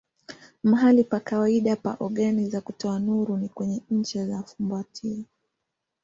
Mahali pa kawaida pa ogani za kutoa nuru ni kwenye ncha ya fumbatio.